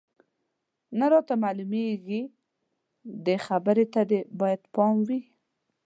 نه راته معلومېږي، دې خبرې ته دې باید پام وي.